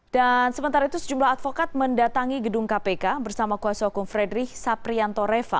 dan sementara itu sejumlah advokat mendatangi gedung kpk bersama kuasa hukum fredrich saprianto reva